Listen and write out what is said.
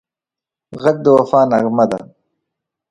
غږ د وفا نغمه ده